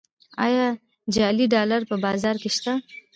آیا جعلي ډالر په بازار کې شته؟